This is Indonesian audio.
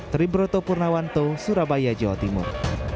triburoto purnawanto surabaya jawa timur